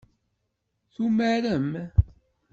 Tumarem?